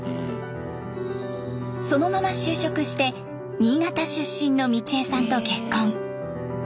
そのまま就職して新潟出身の美千枝さんと結婚。